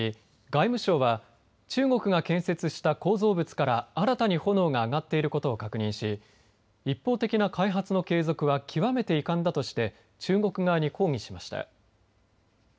外務省は中国が建設した構造物から新たに炎が上がっていることを確認し一方的な開発の継続は極めて遺憾だとして中国側に抗議しました。